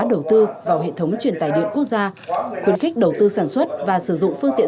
đầu tư vào hệ thống truyền tài điện quốc gia khuyến khích đầu tư sản xuất và sử dụng phương tiện